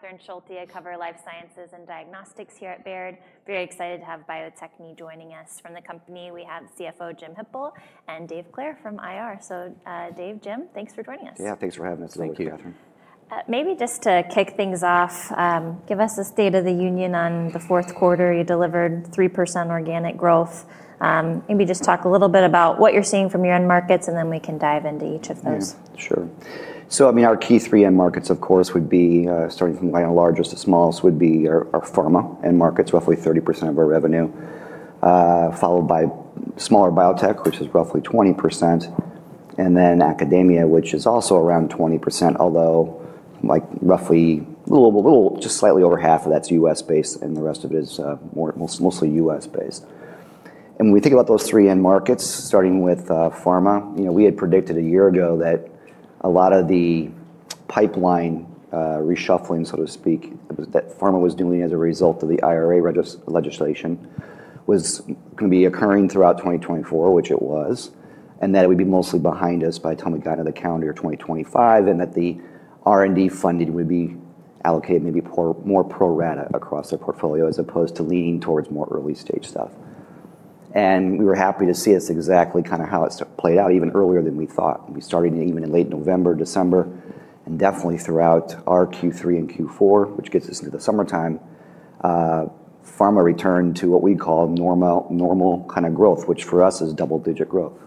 Catherine Schulte, cover Life Sciences and Diagnostics here at Baird. Very excited to have Bio-Techne joining us. From the company, we have CFO Jim Hippel and Dave Clair from IR. Dave, Jim, thanks for joining us. Yeah, thanks for having us. Thank you, Catherine. Maybe just to kick things off, give us a State of the Union on the fourth quarter. You delivered 3% organic growth. Maybe just talk a little bit about what you're seeing from your end markets, and then we can dive into each of those. Sure. Our key three end markets, of course, would be, starting from kind of largest to smallest, our pharma end markets, roughly 30% of our revenue, followed by smaller biotech, which is roughly 20%, and then academia, which is also around 20%, although, like, roughly, oh, a little, just slightly over half of that's U.S.-based, and the rest of it is mostly U.S.-based. When we think about those three end markets, starting with pharma, we had predicted a year ago that a lot of the pipeline reshuffling, so to speak, that pharma was doing as a result of the IRA legislation was going to be occurring throughout 2024, which it was, and that it would be mostly behind us by the time we got into the calendar year 2025, and that the R&D funding would be allocated maybe more pro-rata across the portfolio as opposed to leaning towards more early-stage stuff. We were happy to see this exactly kind of how it played out even earlier than we thought. We started even in late November, December, and definitely throughout our Q3 and Q4, which gets us into the summertime, pharma returned to what we call normal, normal kind of growth, which for us is double-digit growth.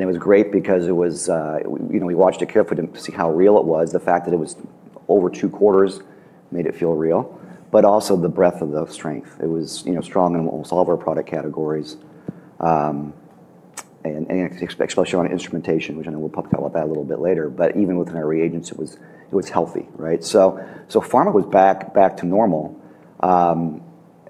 It was great because we watched it carefully to see how real it was. The fact that it was over two quarters made it feel real, but also the breadth of the strength. It was strong in almost all of our product categories, and especially on instrumentation, which I know we'll talk about that a little bit later. Even within our reagents, it was healthy, right? Pharma was back, back to normal.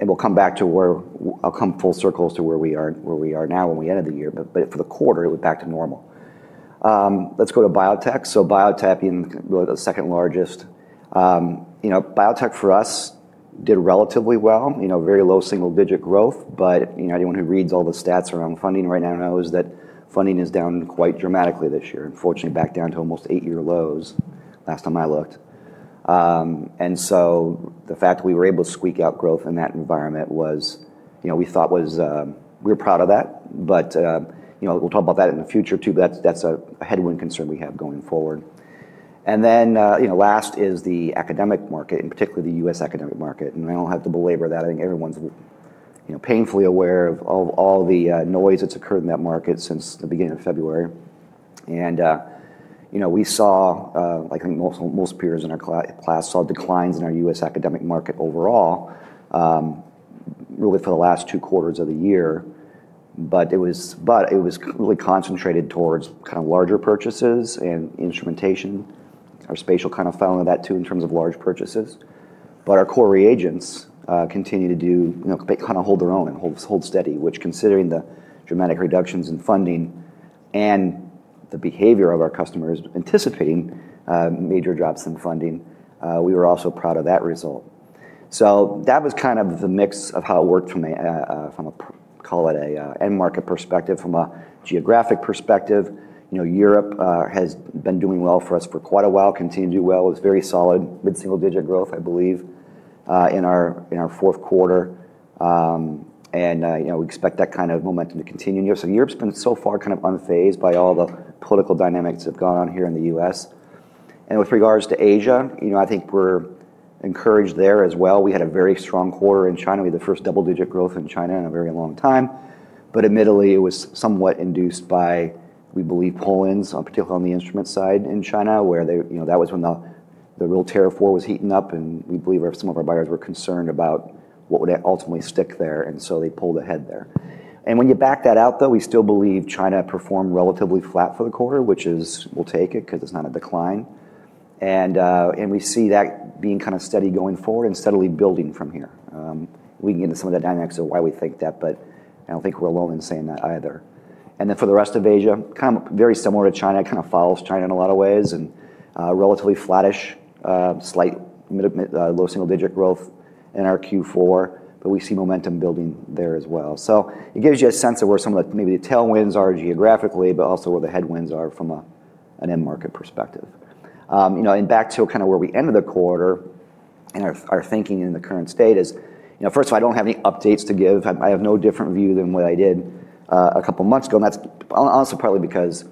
We'll come back to where, I'll come full circle to where we are, where we are now when we ended the year, but for the quarter, it was back to normal. Let's go to biotech. Biotech, being the second largest, biotech for us did relatively well, very low single-digit growth, but anyone who reads all the stats around funding right now knows that funding is down quite dramatically this year. Unfortunately, back down to almost eight-year lows last time I looked. The fact that we were able to squeak out growth in that environment was, we thought, we're proud of that, but we'll talk about that in the future too, but that's a headwind concern we have going forward. Last is the academic market, in particular the U.S. academic market. I don't have to belabor that. I think everyone's, you know, painfully aware of all the noise that's occurred in that market since the beginning of February. We saw, like I think most peers in our class, declines in our U.S. academic market overall, really for the last two quarters of the year, but it was really concentrated towards kind of larger purchases and instrumentation. Our spatial kind of fell into that too in terms of large purchases. Our core reagents continue to do, you know, they kind of hold their own and hold steady, which considering the dramatic reductions in funding and the behavior of our customers anticipating major drops in funding, we were also proud of that result. That was kind of the mix of how it worked from a, call it, an end market perspective. From a geographic perspective, Europe has been doing well for us for quite a while, continued to do well. It was very solid, mid-single-digit growth, I believe, in our fourth quarter, and we expect that kind of momentum to continue in Europe. Europe's been so far kind of unfazed by all the political dynamics that have gone on here in the U.S. With regards to Asia, I think we're encouraged there as well. We had a very strong quarter in China. We had the first double-digit growth in China in a very long time. Admittedly, it was somewhat induced by, we believe, pull-in, particularly on the instrument side in China, where they, you know, that was when the real tariff war was heating up. We believe some of our buyers were concerned about what would ultimately stick there, and so they pulled ahead there. When you back that out, though, we still believe China performed relatively flat for the quarter, which is, we'll take it because it's not a decline. We see that being kind of steady going forward and steadily building from here. We can get into some of the dynamics of why we think that, but I don't think we're alone in saying that either. For the rest of Asia, kind of very similar to China, kind of follows China in a lot of ways and, relatively flattish, slight, low single-digit growth in our Q4, but we see momentum building there as well. It gives you a sense of where some of the, maybe the tailwinds are geographically, but also where the headwinds are from an end market perspective. You know, and back to kind of where we ended the quarter and our thinking in the current state is, first of all, I don't have any updates to give. I have no different view than what I did a couple of months ago. That's also partly because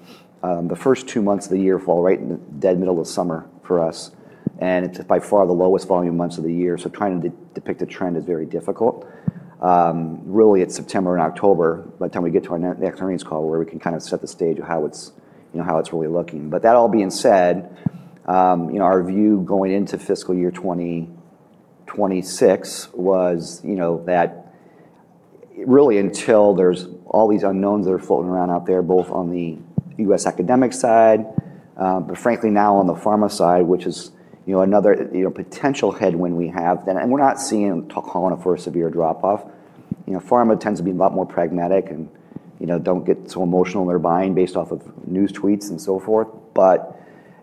the first two months of the year fall right in the dead middle of summer for us, and it's by far the lowest volume months of the year. Trying to depict a trend is very difficult. Really, it's September and October, by the time we get to our next earnings call, where we can kind of set the stage of how it's really looking. That all being said, our view going into fiscal year 2026 was that really until there's all these unknowns that are floating around out there, both on the U.S. academic side, but frankly now on the pharma side, which is another potential headwind we have then. We're not seeing a call on a first severe drop-off. Pharma tends to be a lot more pragmatic and don't get so emotional in their buying based off of news tweets and so forth.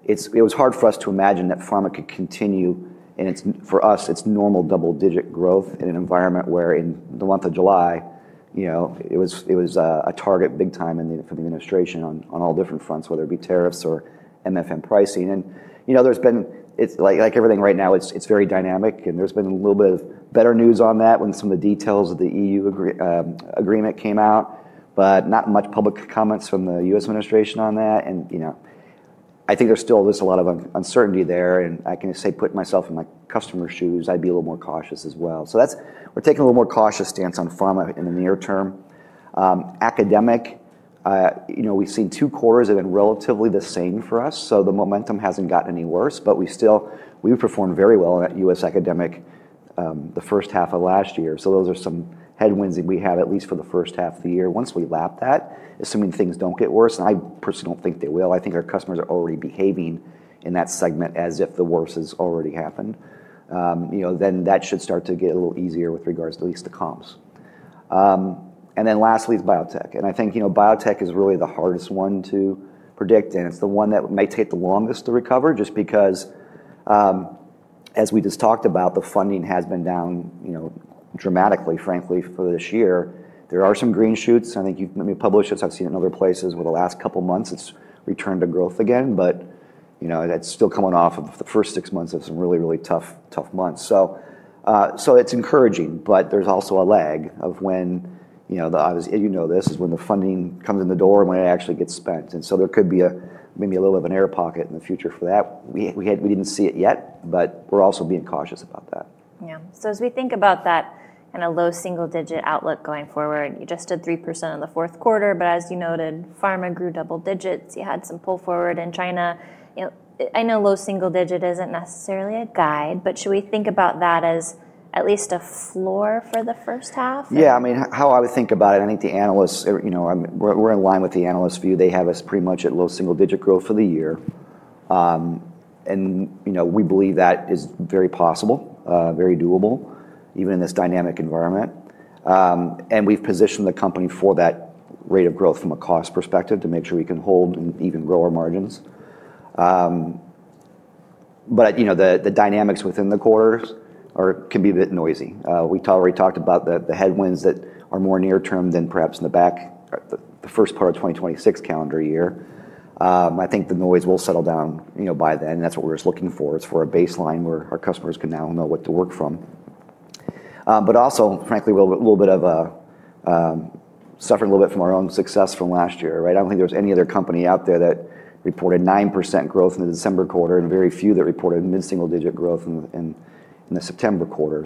It was hard for us to imagine that pharma could continue, and for us, it's normal double-digit growth in an environment where in the month of July, it was a target big time for the administration on all different fronts, whether it be tariffs or MFM pricing. Like everything right now, it's very dynamic. There's been a little bit of better news on that when some of the details of the EU agreement came out, but not much public comments from the U.S. administration on that. I think there's still just a lot of uncertainty there. I can just say, putting myself in my customer's shoes, I'd be a little more cautious as well. That's why we're taking a little more cautious stance on pharma in the near term. Academic, we've seen two quarters have been relatively the same for us. The momentum hasn't gotten any worse, but we still, we performed very well in that U.S. academic, the first half of last year. Those are some headwinds that we have, at least for the first half of the year. Once we lap that, assuming things don't get worse, and I personally don't think they will, I think our customers are already behaving in that segment as if the worst has already happened. Then that should start to get a little easier with regards to at least the comps. Lastly, it's biotech. I think, you know, biotech is really the hardest one to predict, and it's the one that might take the longest to recover just because, as we just talked about, the funding has been down, you know, dramatically, frankly, for this year. There are some green shoots. I think you've published this, I've seen it in other places over the last couple of months. It's returned to growth again, but, you know, that's still coming off of the first six months of some really, really tough months. It's encouraging, but there's also a lag of when, you know, the obvious, you know, this is when the funding comes in the door and when it actually gets spent. There could be maybe a little bit of an air pocket in the future for that. We didn't see it yet, but we're also being cautious about that. As we think about that in a low single-digit outlook going forward, you just did 3% in the fourth quarter, but as you noted, pharma grew double digits. You had some pull forward in China. I know low single-digit isn't necessarily a guide, but should we think about that as at least a floor for the first half? Yeah, I mean, how I would think about it, I think the analysts, you know, we're in line with the analysts' view. They have us pretty much at low single-digit growth for the year, and you know, we believe that is very possible, very doable, even in this dynamic environment. We've positioned the company for that rate of growth from a cost perspective to make sure we can hold and even grow our margins. The dynamics within the quarters can be a bit noisy. We already talked about the headwinds that are more near-term than perhaps in the back, the first part of 2026 calendar year. I think the noise will settle down by then, and that's what we're just looking for. It's for a baseline where our customers can now know what to work from. Also, frankly, a little bit of a, suffered a little bit from our own success from last year, right? I don't think there was any other company out there that reported 9% growth in the December quarter and very few that reported mid-single-digit growth in the September quarter.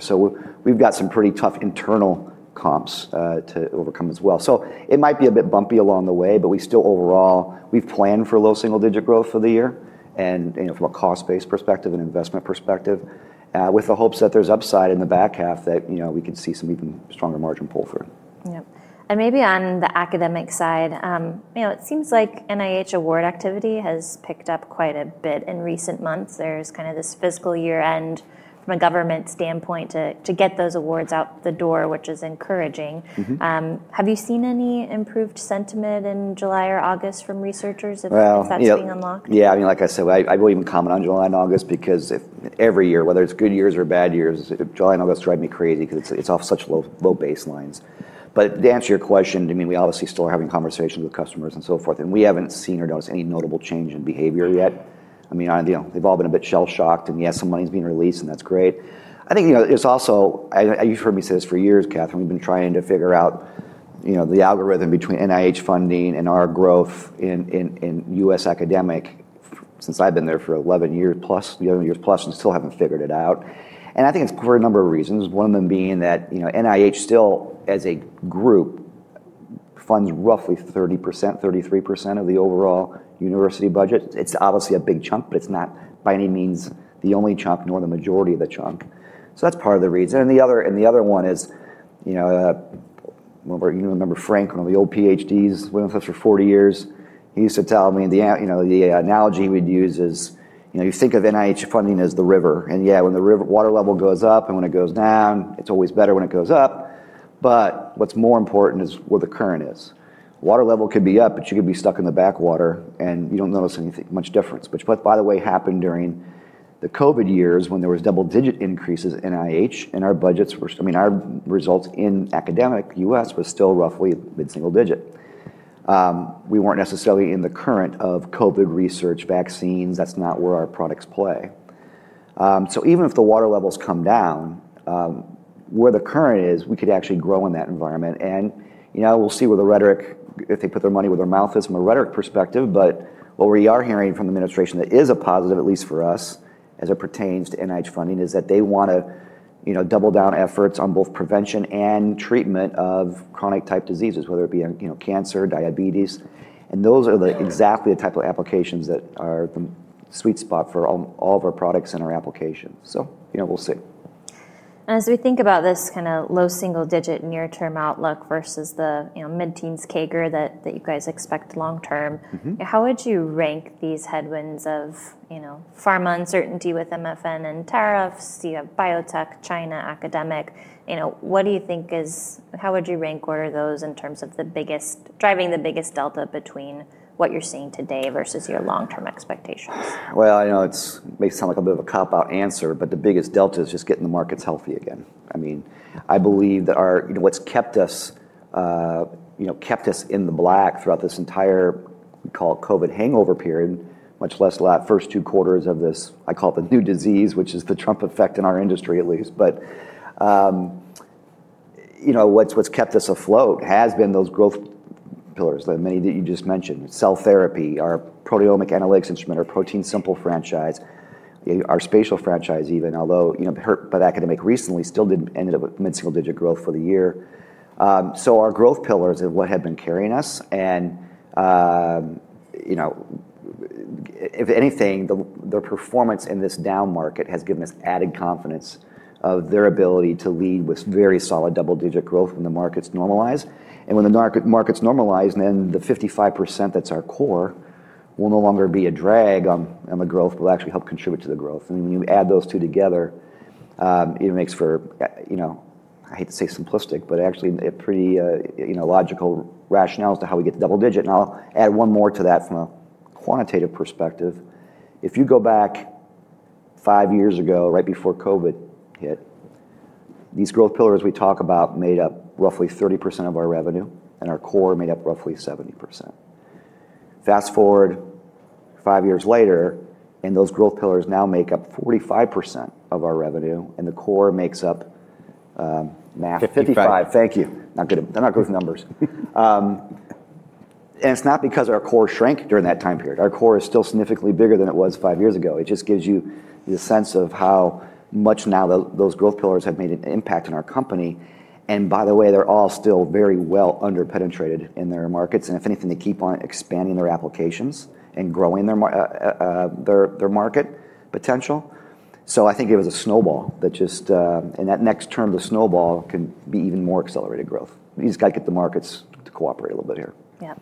We've got some pretty tough internal comps to overcome as well. It might be a bit bumpy along the way, but overall, we've planned for low single-digit growth for the year, and, you know, from a cost-based perspective and investment perspective, with the hopes that there's upside in the back half that, you know, we can see some even stronger margin pull through. Yep. Maybe on the academic side, it seems like NIH award activity has picked up quite a bit in recent months. There's kind of this fiscal year-end from a government standpoint to get those awards out the door, which is encouraging. Have you seen any improved sentiment in July or August from researchers if that's being unlocked? Yeah, I mean, like I said, I wouldn't even comment on July and August because every year, whether it's good years or bad years, July and August drive me crazy because it's off such low baselines. To answer your question, we obviously still are having conversations with customers and so forth, and we haven't seen or noticed any notable change in behavior yet. They've all been a bit shell-shocked, and yes, some money's being released, and that's great. I think, you know, it's also, you've heard me say this for years, Catherine, we've been trying to figure out the algorithm between NIH funding and our growth in U.S. academic since I've been there for 11 years plus, 11 years plus, and still haven't figured it out. I think it's for a number of reasons. One of them being that NIH still, as a group, funds roughly 30%, 33% of the overall university budget. It's obviously a big chunk, but it's not by any means the only chunk, nor the majority of the chunk. That's part of the reason. The other one is, remember Franklin, one of the old PhDs, went with us for 40 years. He used to tell me, the analogy we'd use is, you think of NIH funding as the river. When the river water level goes up and when it goes down, it's always better when it goes up. What's more important is where the current is. Water level could be up, but you could be stuck in the backwater and you don't notice anything much different, which, by the way, happened during the COVID years when there were double-digit increases in NIH and our results in academic U.S. were still roughly mid-single digit. We weren't necessarily in the current of COVID research vaccines. That's not where our products play. Even if the water levels come down, where the current is, we could actually grow in that environment. We'll see where the rhetoric, if they put their money where their mouth is from a rhetoric perspective, but what we are hearing from the administration that is a positive, at least for us, as it pertains to NIH funding, is that they want to double down efforts on both prevention and treatment of chronic type diseases, whether it be in cancer, diabetes. Those are exactly the type of applications that are the sweet spot for all of our products and our applications. We'll see. As we think about this kind of low single-digit near-term outlook versus the mid-teens CAGR that you guys expect long-term, how would you rank these headwinds of pharma uncertainty with MFN and tariffs, biotech, China, academic, what do you think is, how would you rank order those in terms of the biggest, driving the biggest delta between what you're seeing today versus your long-term expectations? It makes it sound like a bit of a cop-out answer, but the biggest delta is just getting the markets healthy again. I mean, I believe that what's kept us in the black throughout this entire, we call it COVID hangover period, much less the first two quarters of this, I call it the new disease, which is the Trump effect in our industry at least. What's kept us afloat has been those growth pillars that you just mentioned: cell therapy, our proteomic analytics instrument, our ProteinSimple franchise, our spatial franchise even, although hurt by the academic recently, still didn't end up with mid-single digit growth for the year. Our growth pillars are what have been carrying us. If anything, their performance in this down market has given us added confidence of their ability to lead with very solid double-digit growth when the markets normalize. When the markets normalize, then the 55% that's our core will no longer be a drag on the growth, but will actually help contribute to the growth. When you add those two together, it makes for, I hate to say simplistic, but actually a pretty logical rationale as to how we get to double-digit. I'll add one more to that from a quantitative perspective. If you go back five years ago, right before COVID hit, these growth pillars we talk about made up roughly 30% of our revenue, and our core made up roughly 70%. Fast forward five years later, and those growth pillars now make up 45% of our revenue, and the core makes up, massively. 55. Thank you. Not good. They're not good with numbers, and it's not because our core shrank during that time period. Our core is still significantly bigger than it was five years ago. It just gives you the sense of how much now those growth pillars have made an impact in our company. By the way, they're all still very well underpenetrated in their markets. If anything, they keep on expanding their applications and growing their market potential. I think it was a snowball that just, and that next term, the snowball can be even more accelerated growth. You just got to get the markets to cooperate a little bit here.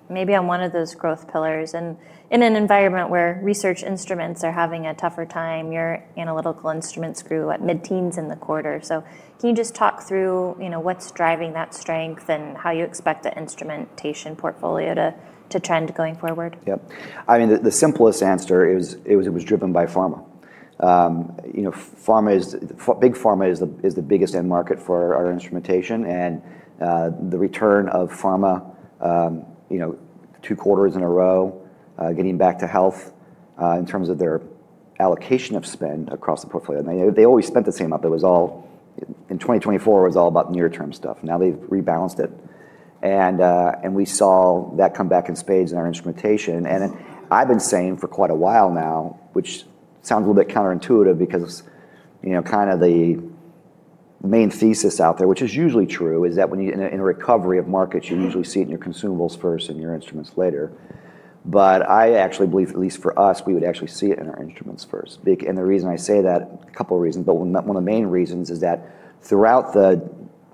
Maybe on one of those growth pillars, and in an environment where research instruments are having a tougher time, your analytical instruments grew at mid-teens in the quarter. Can you just talk through what's driving that strength and how you expect the instrumentation portfolio to trend going forward? Yeah, I mean, the simplest answer is it was driven by pharma. Pharma is, big pharma is the biggest end market for our instrumentation. The return of pharma, two quarters in a row, getting back to health in terms of their allocation of spend across the portfolio. They always spent the same amount. In 2024, it was all about near-term stuff. Now they've rebalanced it. We saw that come back in spades in our instrumentation. I've been saying for quite a while now, which sounds a little bit counterintuitive because the main thesis out there, which is usually true, is that when you're in a recovery of markets, you usually see it in your consumables first and your instruments later. I actually believe, at least for us, we would actually see it in our instruments first. The reason I say that, a couple of reasons, but one of the main reasons is that throughout the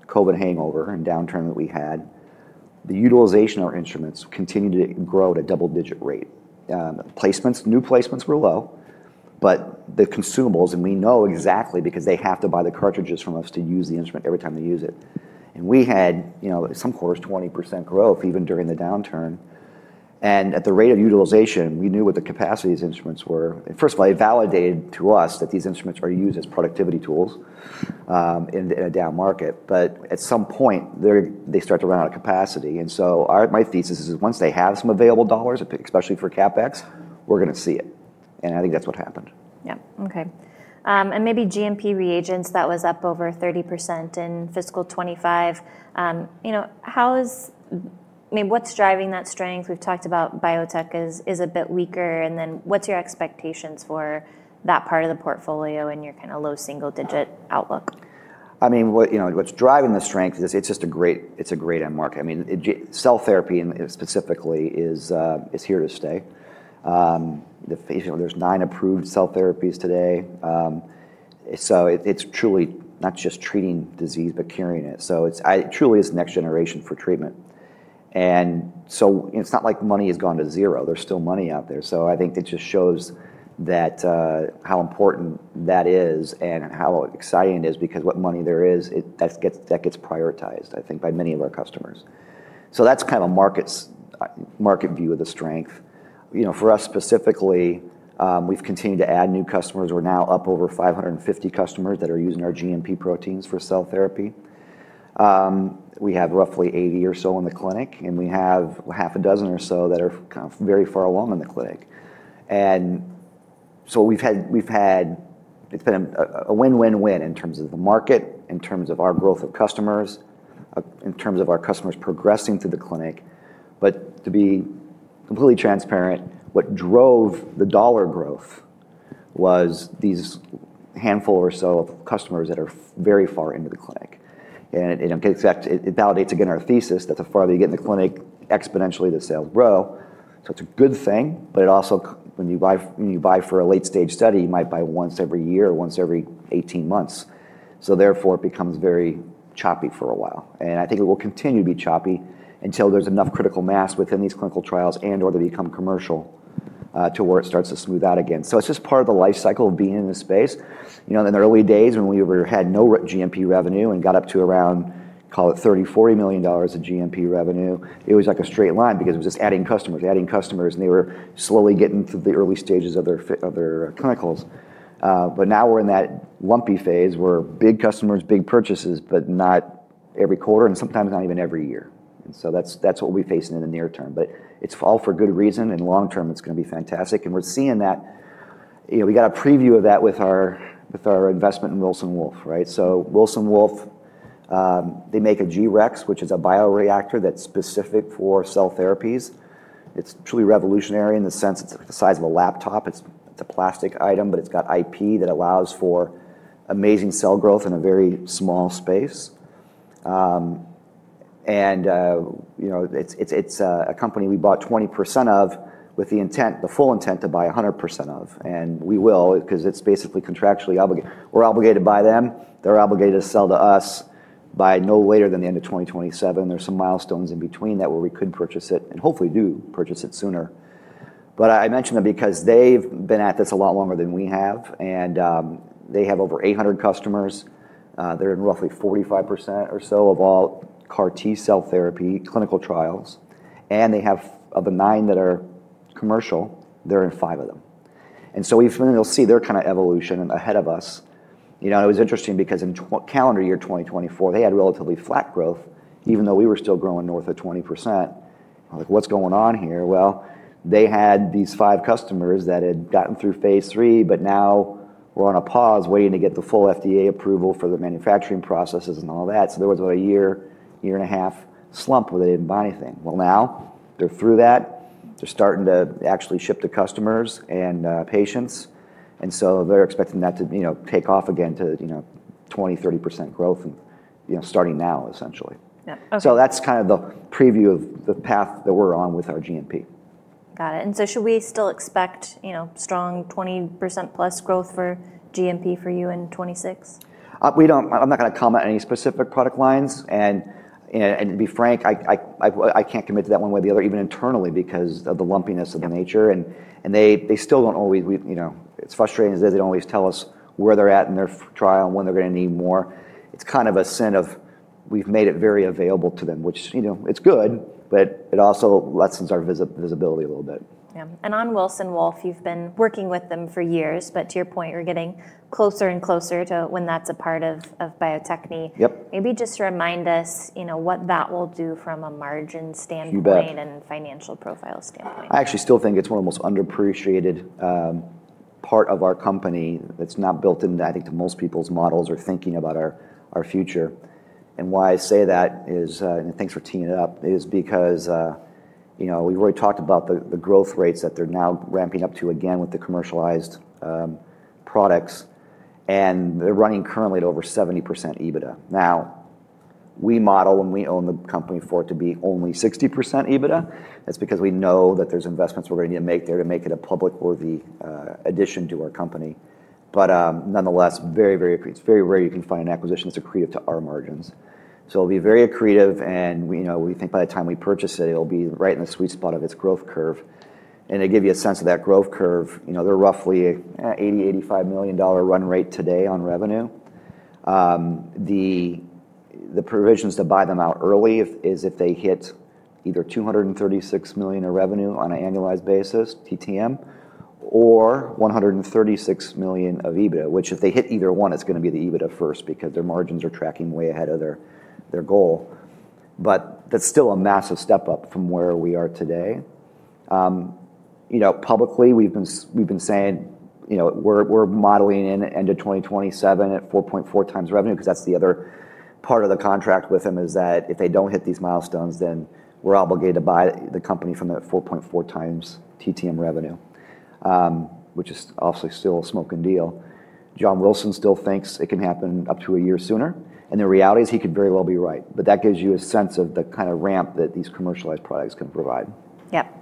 COVID hangover and downturn that we had, the utilization of our instruments continued to grow at a double-digit rate. New placements were low, but the consumables, and we know exactly because they have to buy the cartridges from us to use the instrument every time they use it. We had some quarters, 20% growth even during the downturn. At the rate of utilization, we knew what the capacity of these instruments were. First of all, it validated to us that these instruments are used as productivity tools in a down market. At some point, they start to run out of capacity. My thesis is once they have some available dollars, especially for CapEx, we're going to see it. I think that's what happened. Yeah, okay. Maybe GMP reagents, that was up over 30% in fiscal 2025. You know, how is, I mean, what's driving that strength? We've talked about biotech is a bit weaker. What's your expectations for that part of the portfolio in your kind of low single-digit outlook? I mean, what's driving the strength is it's just a great, it's a great end market. I mean, cell therapy specifically is here to stay. You know, there's nine approved cell therapies today, so it's truly not just treating disease, but curing it. It truly is the next generation for treatment. It's not like money has gone to zero. There's still money out there. I think it just shows that, how important that is and how exciting it is because what money there is, that gets prioritized, I think, by many of our customers. That's kind of a market view of the strength. For us specifically, we've continued to add new customers. We're now up over 550 customers that are using our GMP proteins for cell therapy. We have roughly 80 or so in the clinic, and we have half a dozen or so that are kind of very far along in the clinic. We've had, it's been a win-win-win in terms of the market, in terms of our growth of customers, in terms of our customers progressing through the clinic. To be completely transparent, what drove the dollar growth was these handful or so of customers that are very far into the clinic. It validates again our thesis that the farther you get in the clinic, exponentially the sales grow. It's a good thing, but also, when you buy for a late-stage study, you might buy once every year or once every 18 months. Therefore it becomes very choppy for a while. I think it will continue to be choppy until there's enough critical mass within these clinical trials and/or they become commercial, to where it starts to smooth out again. It's just part of the life cycle of being in this space. In the early days when we had no GMP revenue and got up to around, call it $30 million, $40 million of GMP revenue, it was like a straight line because it was just adding customers, adding customers, and they were slowly getting to the early stages of their clinicals. Now we're in that lumpy phase where big customers, big purchases, but not every quarter and sometimes not even every year. That's what we'll be facing in the near term. It's all for good reason. In the long term, it's going to be fantastic. We're seeing that, we got a preview of that with our investment in Wilson Wolf, right? Wilson Wolf, they make a G-Rex, which is a bioreactor that's specific for cell therapies. It's truly revolutionary in the sense it's the size of a laptop. It's a plastic item, but it's got IP that allows for amazing cell growth in a very small space. You know, it's a company we bought 20% of with the full intent to buy 100% of. We will, because it's basically contractually obligated. We're obligated to buy them. They're obligated to sell to us by no later than the end of 2027. There are some milestones in between that where we could purchase it and hopefully do purchase it sooner. I mention that because they've been at this a lot longer than we have, and they have over 800 customers. They're in roughly 45% or so of all CAR-T cell therapy clinical trials, and of the nine that are commercial, they're in five of them. We've seen their kind of evolution ahead of us. It was interesting because in calendar year 2024, they had relatively flat growth, even though we were still growing north of 20%. I was like, what's going on here? They had these five customers that had gotten through phase three, but now are on a pause waiting to get the full FDA approval for the manufacturing processes and all that. There was about a year, year and a half slump where they didn't buy anything. Now they're through that. They're starting to actually ship to customers and patients, and they're expecting that to take off again to 20-30% growth, starting now, essentially. That's kind of the preview of the path that we're on with our GMP. Got it. Should we still expect, you know, strong 20%+ growth for GMP for you in 2026? We don't, I'm not going to comment on any specific product lines. To be frank, I can't commit to that one way or the other, even internally because of the lumpiness of the nature. They still don't always, you know, it's frustrating as they don't always tell us where they're at in their trial and when they're going to need more. It's kind of a sense of we've made it very available to them, which, you know, it's good, but it also lets them start visibility a little bit. Yeah. On Wilson Wolf, you've been working with them for years. To your point, you're getting closer and closer to when that's a part of Bio-Techne. Maybe just remind us what that will do from a margin standpoint and financial profile standpoint. I actually still think it's one of the most underappreciated parts of our company that's not built into most people's models or thinking about our future. The reason I say that is, and thanks for teeing it up, is because we've already talked about the growth rates that they're now ramping up to again with the commercialized products. They're running currently at over 70% EBITDA. Now, we model when we own the company for it to be only 60% EBITDA. That's because we know that there's investments we're going to need to make there to make it a public-worthy addition to our company. Nonetheless, it's very rare you can find an acquisition that's accretive to our margins. It'll be very accretive. We think by the time we purchase it, it'll be right in the sweet spot of its growth curve. To give you a sense of that growth curve, they're roughly an $80-$85 million run rate today on revenue. The provisions to buy them out early is if they hit either $236 million of revenue on an annualized basis, TTM, or $136 million of EBITDA, which if they hit either one, it's going to be the EBITDA first because their margins are tracking way ahead of their goal. That's still a massive step up from where we are today. Publicly, we've been saying we're modeling in end of 2027 at 4.4 times revenue because that's the other part of the contract with them is that if they don't hit these milestones, then we're obligated to buy the company from the 4.4 times TTM revenue, which is obviously still a smoking deal. John Wilson still thinks it can happen up to a year sooner. The reality is he could very well be right. That gives you a sense of the kind of ramp that these commercialized products can provide.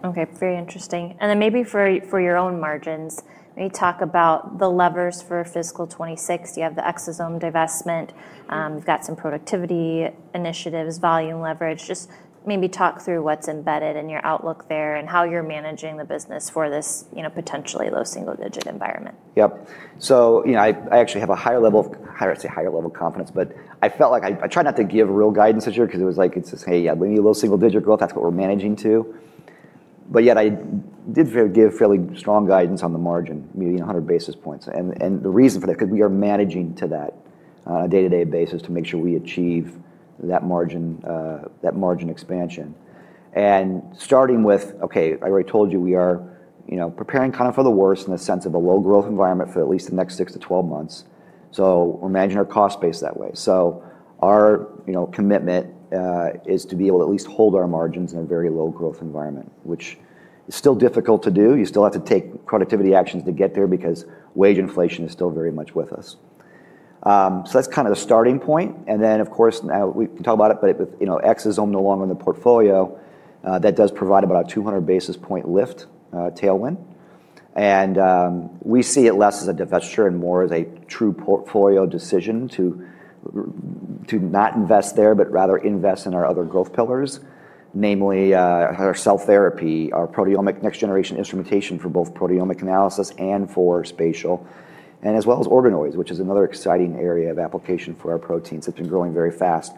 Okay, very interesting. Maybe for your own margins, maybe talk about the levers for fiscal 2026. You have the exosome divestment, you've got some productivity initiatives, volume leverage. Just maybe talk through what's embedded in your outlook there and how you're managing the business for this potentially low single-digit environment. Yep. I actually have a higher level of, I'd say higher level of confidence, but I felt like I tried not to give real guidance this year because it was like, it's this, hey, yeah, we need a low single-digit growth. That's what we're managing to. Yet I did give fairly strong guidance on the margin, maybe 100 basis points. The reason for that is because we are managing to that on a day-to-day basis to make sure we achieve that margin, that margin expansion. Starting with, okay, I already told you we are preparing kind of for the worst in the sense of a low-growth environment for at least the next 6 to 12 months. We're managing our cost base that way. Our commitment is to be able to at least hold our margins in a very low-growth environment, which is still difficult to do. You still have to take productivity actions to get there because wage inflation is still very much with us. That's kind of the starting point. Of course, now we can talk about it, exosome no longer in the portfolio, that does provide about a 200 basis point lift, tailwind. We see it less as a divestiture and more as a true portfolio decision to not invest there, but rather invest in our other growth pillars, namely, our cell therapy, our proteomic next-generation instrumentation for both proteomic analysis and for spatial, as well as organoids, which is another exciting area of application for our proteins that's been growing very fast.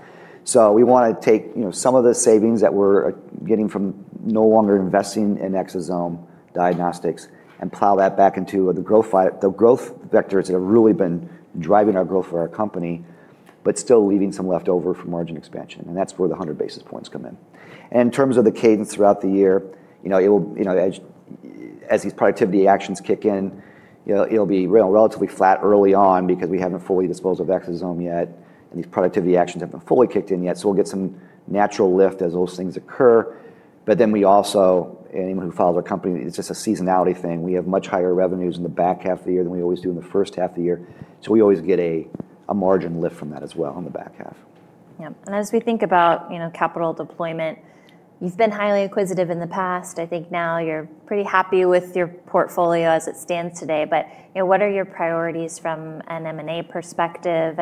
We want to take some of the savings that we're getting from no longer investing in exosome diagnostics and plow that back into the growth vectors that have really been driving our growth for our company, but still leaving some leftover for margin expansion. That's where the 100 basis points come in. In terms of the cadence throughout the year, as these productivity actions kick in, it'll be relatively flat early on because we haven't fully disposed of exosome yet, and these productivity actions haven't fully kicked in yet. We'll get some natural lift as those things occur. Anyone who follows our company, it's just a seasonality thing. We have much higher revenues in the back half of the year than we always do in the first half of the year. We always get a margin lift from that as well on the back half. Yeah. As we think about, you know, capital deployment, you've been highly acquisitive in the past. I think now you're pretty happy with your portfolio as it stands today. What are your priorities from an M&A perspective?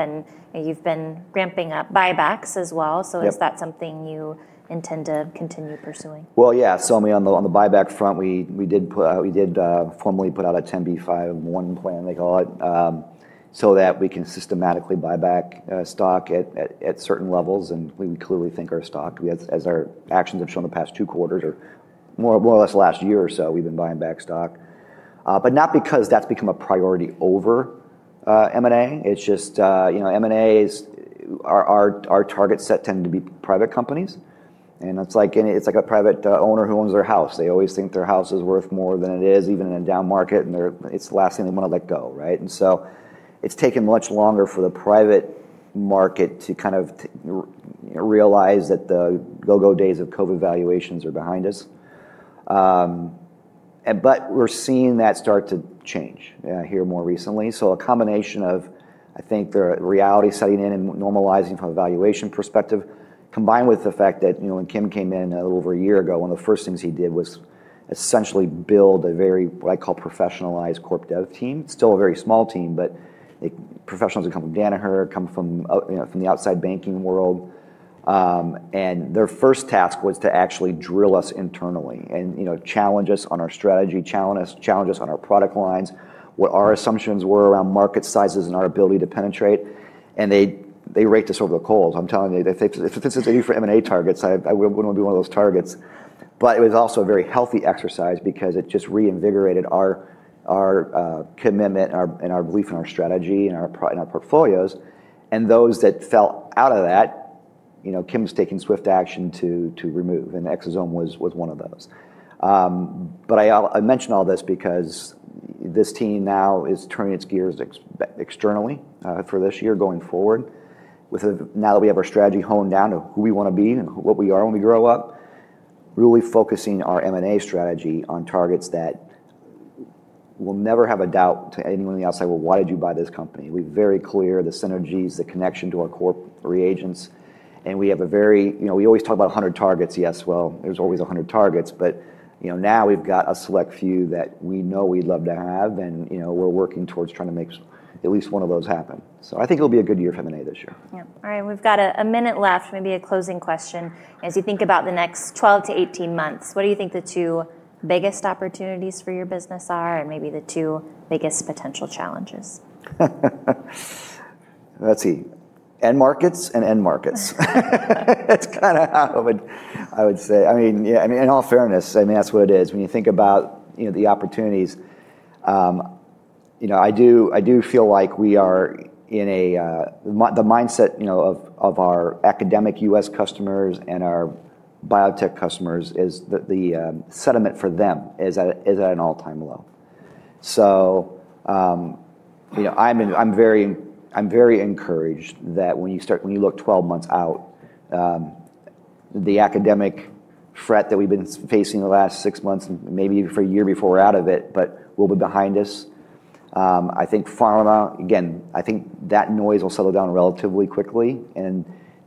You've been ramping up buybacks as well. Is that something you intend to continue pursuing? On the buyback front, we did formally put out a 10B5-1 plan, they call it, so that we can systematically buy back stock at certain levels. We clearly think our stock, as our actions have shown the past two quarters, or more or less the last year or so, we've been buying back stock. Not because that's become a priority over M&A. It's just, you know, M&A is our target set tending to be private companies. It's like a private owner who owns their house. They always think their house is worth more than it is, even in a down market. It's the last thing they want to let go, right? It's taken much longer for the private market to kind of realize that the go-go days of COVID valuations are behind us. We're seeing that start to change here more recently. A combination of, I think, the reality setting in and normalizing from a valuation perspective, combined with the fact that, you know, when Kim came in a little over a year ago, one of the first things he did was essentially build a very, what I call professionalized corp dev team. Still a very small team, but professionals that come from Danaher, come from the outside banking world. Their first task was to actually drill us internally and, you know, challenge us on our strategy, challenge us on our product lines, what our assumptions were around market sizes and our ability to penetrate. They raked us over the coals. I'm telling you, if this is the use for M&A targets, I wouldn't want to be one of those targets. It was also a very healthy exercise because it just reinvigorated our commitment and our belief in our strategy and our portfolios. Those that fell out of that, you know, Kim's taken swift action to remove. Exosome was one of those. I mention all this because this team now is turning its gears externally for this year going forward. Now that we have our strategy honed down to who we want to be and what we are when we grow up, really focusing our M&A strategy on targets that we'll never have a doubt to anyone else that will, why did you buy this company? We're very clear the synergies, the connection to our core reagents. We have a very, you know, we always talk about 100 targets. Yes, well, there's always 100 targets. Now we've got a select few that we know we'd love to have. We're working towards trying to make at least one of those happen. I think it'll be a good year for M&A this year. All right. We've got a minute left, maybe a closing question. As you think about the next 12 to 18 months, what do you think the two biggest opportunities for your business are and maybe the two biggest potential challenges? Let's see. End markets and end markets. That's kind of how I would say. I mean, in all fairness, that's what it is. When you think about the opportunities, I do feel like we are in a, the mindset of our academic U.S. customers and our biotech customers is that the sentiment for them is at an all-time low. I'm very encouraged that when you look 12 months out, the academic fret that we've been facing the last six months and maybe for a year before we're out of it, will be behind us. I think pharma, again, I think that noise will settle down relatively quickly.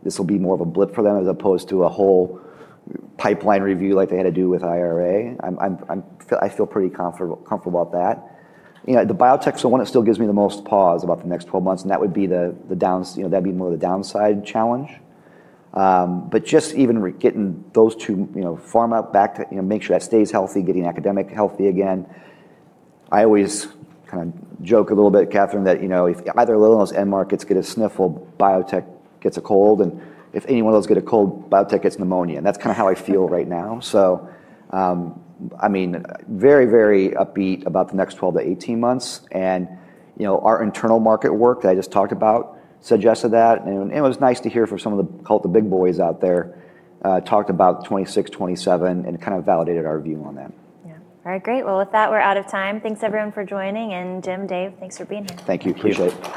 This will be more of a blip for them as opposed to a whole pipeline review like they had to do with IRA. I feel pretty comfortable about that. The biotech is the one that still gives me the most pause about the next 12 months. That would be more of the downside challenge. Just even getting those two, pharma back to make sure that stays healthy, getting academic healthy again. I always kind of joke a little bit, Catherine, that if either one of those end markets gets a sniffle, biotech gets a cold. If any one of those get a cold, biotech gets pneumonia. That's kind of how I feel right now. Very, very upbeat about the next 12 to 18 months. Our internal market work that I just talked about suggested that. It was nice to hear from some of the, call it the big boys out there, talked about 2026, 2027, and kind of validated our view on that. All right. Great. With that, we're out of time. Thanks, everyone, for joining. Jim, Dave, thanks for being here. Thank you. Appreciate it.